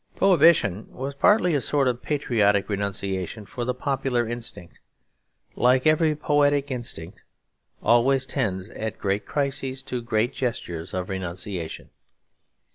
Prohibition was partly a sort of patriotic renunciation; for the popular instinct, like every poetic instinct, always tends at great crises to great gestures of renunciation.